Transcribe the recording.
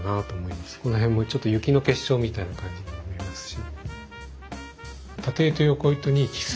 この辺もちょっと雪の結晶みたいな感じにも見えますし。